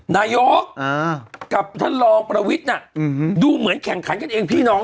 นายกกับท่านรองประวิทย์น่ะดูเหมือนแข่งขันกันเองพี่น้อง